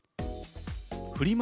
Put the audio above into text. フリマ